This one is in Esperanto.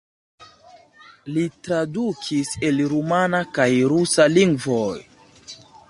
Li tradukis el rumana kaj rusa lingvoj.